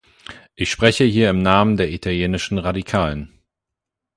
Ich spreche hier im Namen der italienischen Radikalen.